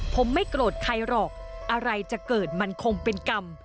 ผมไม่โกรธใครหรอกอะไรจะเกิดมันคงเป็นกรรม